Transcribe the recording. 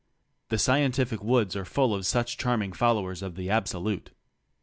The scientific woods are full of such charming followers of the Absolute.